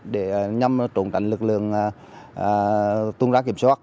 để nhằm trộn tạnh lực lượng tuân trá kiểm soát